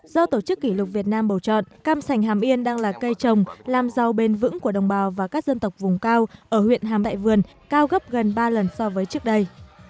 do tổ chức kỷ lục việt nam bầu chọn cam sành hàm yên đang là cây trồng làm giàu bền vững của đồng bào và các dân tộc vùng cao ở huyện hàm đại vườn cao gấp gần ba lần so với trước đây